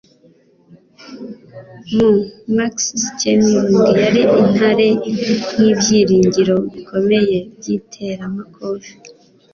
Mu Max Schmeling yari intare nk'ibyiringiro bikomeye by'iteramakofe